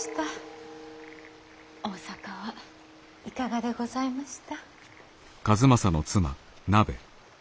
大坂はいかがでございました？